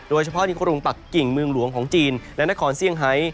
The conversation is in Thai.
โดยเฉพาะในกรุงปักกิ่งเมืองหลวงของจีนและนครเซี่ยงไฮ